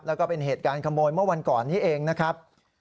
แล้วก็เป็นเหตุการณ์ขโมยเมื่อวันก่อนนี้เองนะครับ